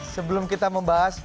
sebelum kita membahas